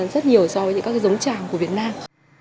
rất nhiều so với những cái giống chảm của việt nam